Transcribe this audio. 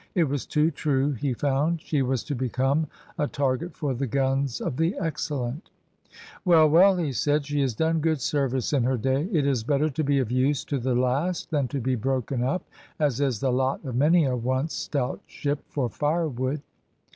It was too true, he found. She was to become a target for the guns of the Excellent. "Well, well," he said, "she has done good service in her day. It is better to be of use to the last than to be broken up, as is the lot of many a once stout ship, for firewood."